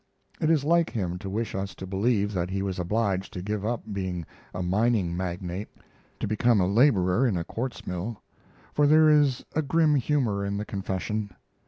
It is like him to wish us to believe that he was obliged to give up being a mining magnate to become a laborer in a quartz mill, for there is a grim humor in the confession.